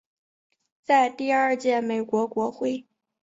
在第二届美国国会。